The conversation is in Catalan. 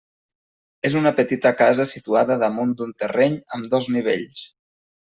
És una petita casa situada damunt d'un terreny amb dos nivells.